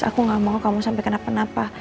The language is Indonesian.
aku gak mau kamu sampai kenapa napa